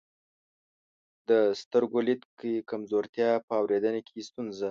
د سترګو لید کې کمزورتیا، په اورېدنه کې ستونزه،